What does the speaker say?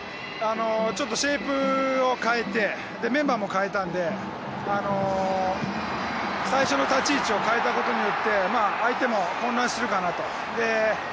ちょっとシェイプを変えてメンバーも代えたので最初の立ち位置を変えたことによって相手も混乱しているかなと。